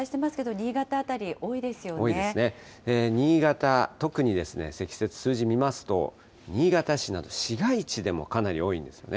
新潟、特に積雪、数字見ますと、新潟市など、市街地でもかなり多いんですよね。